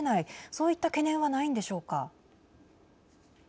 そういった懸念はないんでしょうか。